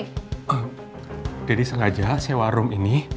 oh daddy sengaja sewa room ini